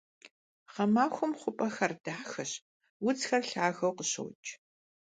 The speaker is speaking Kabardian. Гъэмахуэм хъупӀэхэр дахэщ, удзхэр лъагэу къыщокӀ.